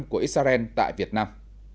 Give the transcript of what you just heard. của israel tại việt nam